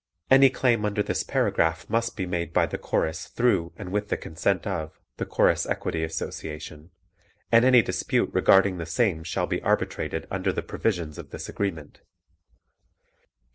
Any claim under this paragraph must be made by the Chorus through and with the consent of the Chorus Equity Association and any dispute regarding the same shall be arbitrated under the provisions of this agreement.